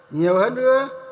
nhiều hơn nữa